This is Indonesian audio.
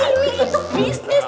ini itu bisnis